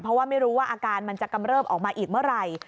เพราะว่าไม่รู้ว่าอาการมันจะกำเริบออกมาอีกเมื่อไหร่